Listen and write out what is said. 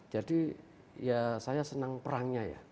jadi ya saya senang perangnya ya